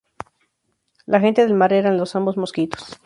La gente del mar eran los zambos mosquitos.